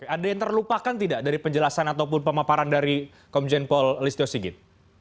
ada yang terlupakan tidak dari penjelasan ataupun pemaparan dari komjen paul listio sigit